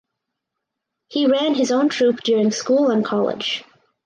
He ran his own troupe during school and college.